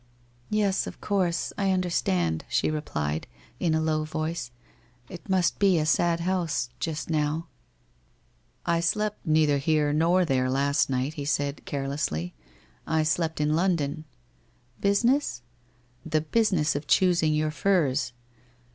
' Yes, of course, I understand.' she replied, in a low voice. ' It must be a sad house — just now.' 252 WHITE ROSE OF WEARY LEAF ' I slept neither here nor there last night !' he said carelessly. ' I slept in London.' ' Business ?'' The business of choosing your furs.'